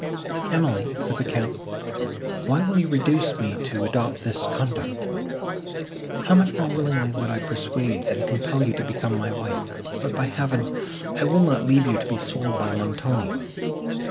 "Emily," said the Count, "why will you reduce me to adopt this conduct? How much more willingly would I persuade, than compel you to become my wife! but, by Heaven! I will not leave you to be sold by Montoni.